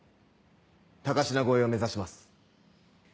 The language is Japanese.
高階超えを目指します。